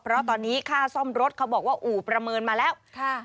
เพราะตอนนี้ค่าซ่อมรถเขาบอกว่าอู่ประเมินมาแล้ว